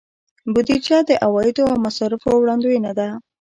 بودیجه د عوایدو او مصارفو وړاندوینه ده.